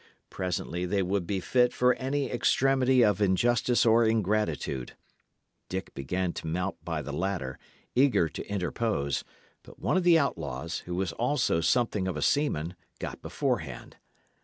Presently they would be fit for any extremity of injustice or ingratitude. Dick began to mount by the ladder, eager to interpose; but one of the outlaws, who was also something of a seaman, got beforehand.